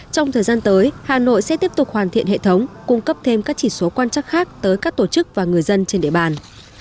trong thời gian tới hà nội sẽ tiếp tục hoàn thiện hệ thống cung cấp thêm các chỉ số quan trắc khác tới các tổ chức và người dân trên địa bàn